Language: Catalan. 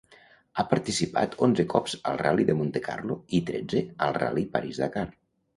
Ha participat onze cops al ral·li de Montecarlo i tretze al ral·li París-Dakar.